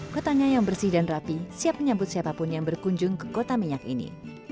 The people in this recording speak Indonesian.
kotanya yang bersih dan rapi siap menyambut siapapun yang berkunjung ke kota minyak ini